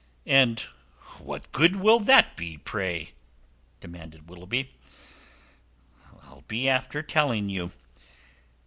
"And what good will that be, pray?" demanded Willoughby. "I'll be after telling you.